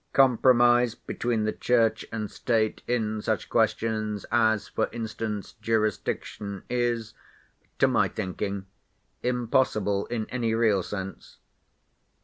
Compromise between the Church and State in such questions as, for instance, jurisdiction, is, to my thinking, impossible in any real sense.